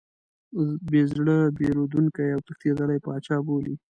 بې زړه، بېرندوکی او تښتېدلی پاچا بولي.